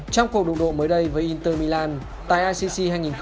trong cuộc đụng độ mới đây với inter milan tại icc hai nghìn một mươi tám